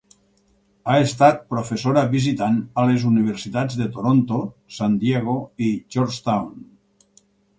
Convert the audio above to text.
Ha estat professora visitant a les universitats de Toronto, San Diego i Georgetown.